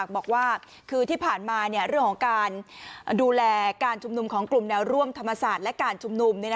บอกว่าคือที่ผ่านมาเรื่องของการดูแลการชุมนุมของกลุ่มแนวร่วมธรรมศาสตร์และการชุมนุม